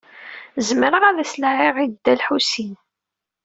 Zemreɣ ad s-laɛiɣ i Dda Lḥusin.